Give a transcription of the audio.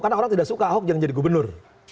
karena orang tidak suka ahok jangan jadi gubernur